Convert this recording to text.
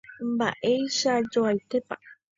Mba'eichajoaitépa